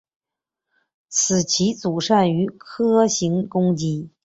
此棋组善于斜行攻击。